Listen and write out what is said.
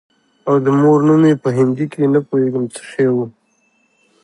او د مور نوم يې په هندي کښې نه پوهېږم څه شى و.